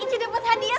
ini udah buat hadiah